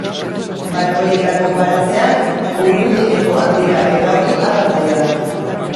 Balkoietako baratzeak hurbilenekoak dira, eta hori abantaila da.